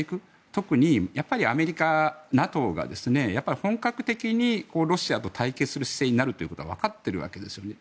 特にアメリカ、ＮＡＴＯが本格的にロシアと対決する姿勢になるってことはわかっているわけですよね。